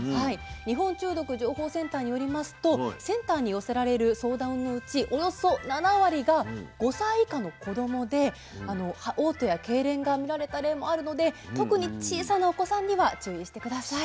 日本中毒情報センターによりますとセンターに寄せられる相談のうちおよそ７割が５歳以下の子どもでおう吐やけいれんがみられた例もあるので特に小さなお子さんには注意して下さい。